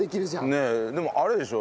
でもあれでしょ